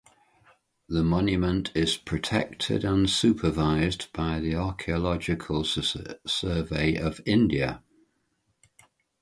The Monument is protected and supervised by the Archaeological Survey of India.